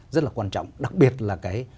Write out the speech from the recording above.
rất là quan trọng đặc biệt là cái